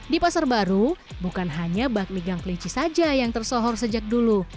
di pasar baru bukan hanya bak ligang kelinci saja yang tersohor sejak dulu